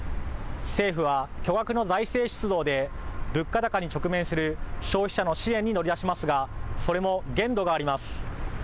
政府は巨額の財政出動で物価高に直面する消費者の支援に乗り出しますが、それも限度があります。